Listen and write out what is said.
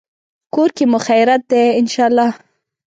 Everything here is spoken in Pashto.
کور کې مو خیریت دی، ان شاءالله